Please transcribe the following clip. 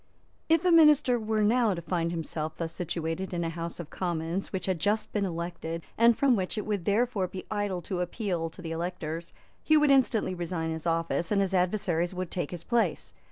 If a minister were now to find himself thus situated in a House of Commons which had just been elected, and from which it would therefore be idle to appeal to the electors, he would instantly resign his office, and his adversaries would take his place.